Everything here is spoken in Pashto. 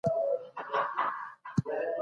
هیوادونه د کارګرانو لپاره څه شرایط ټاکي؟